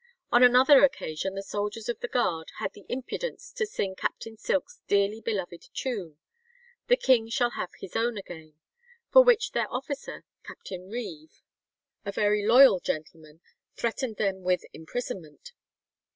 On another occasion the soldiers of the guard "had the impudence to sing Captain Silk's dearly beloved tune, 'The king shall have his own again,' for which their officer, Captain Reeve, a very loyal gentleman, threatened them with imprisonment."